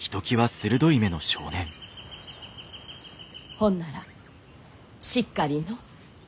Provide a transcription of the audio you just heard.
ほんならしっかりのう。